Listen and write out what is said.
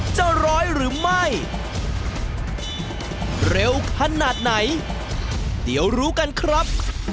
จะร้อยหรือไม่เร็วขนาดไหนเดี๋ยวรู้กันครับ